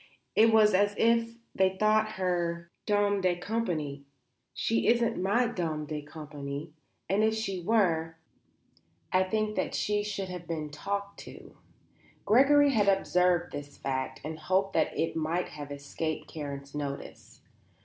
It was as if they thought her my dame de compagnie. She isn't my dame de compagnie; and if she were, I think that she should have been talked to." Gregory had observed this fact and had hoped that it might have escaped Karen's notice.